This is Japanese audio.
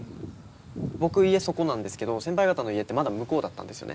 僕家そこなんですけど先輩方の家ってまだ向こうだったんですよね。